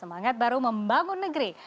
semangat baru membangun negeri